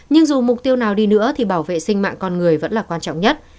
nhưng dù mục tiêu nào đi nữa thì bảo vệ sinh mạng con người vẫn là quan trọng nhất